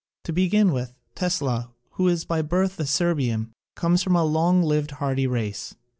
To begin with, Tesla, who is by birth a Serbian, comes from a long lived hardy race.